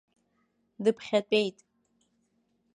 Дыԥхьатәеит.